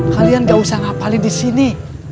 kalian gak usah ngapalin disini